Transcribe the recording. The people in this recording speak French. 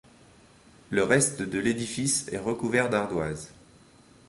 Le reste de l'édifice est recouvert d'ardoises.